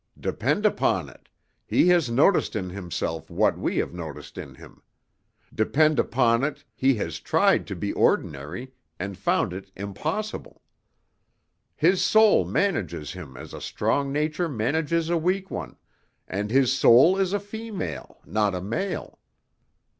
Depend upon it,' he has noticed in himself what we have noticed in him. Depend upon it, he has tried to be ordinary, and found it impossible. His soul manages him as a strong nature manages a weak one, and his soul is a female, not a male.